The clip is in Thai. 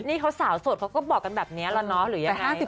นี่เขาสาวโสดเขาก็บอกกันแบบนี้แล้วเนาะหรือยังไง